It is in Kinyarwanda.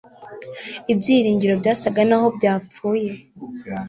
ibyiringiro byasaga naho byapfuye